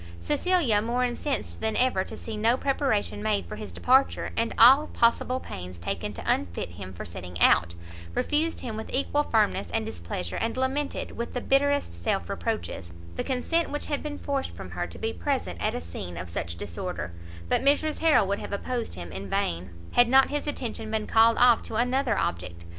Cecilia, more incensed than ever to see no preparation made for his departure, and all possible pains taken to unfit him for setting out, refused him with equal firmness and displeasure, and lamented, with the bitterest self reproaches, the consent which had been forced from her to be present at a scene of such disorder; but Mrs Harrel would have opposed him in vain, had not his attention been called off to another object.